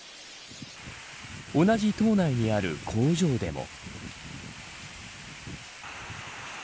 同じ島内にある工場でも。